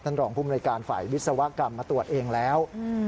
ท่านรองผู้บริการฝ่ายวิศวกรรมมาตรวจเองแล้ว